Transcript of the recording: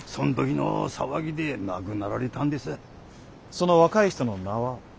その若い人の名は。